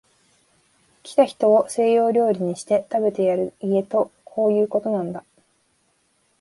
来た人を西洋料理にして、食べてやる家とこういうことなんだ